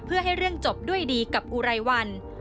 เพื่อให้เรื่องจบด้วยดีกับอุไรวัน